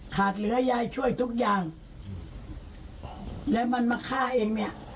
เหลือยายช่วยทุกอย่างแล้วมันมาฆ่าเองเนี่ย